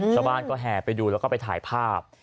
ชาวบ้านก็แห่ไปดูแล้วก็ไปถ่ายภาพ